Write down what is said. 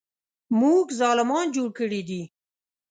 موږ ظالمان جوړ کړي دي.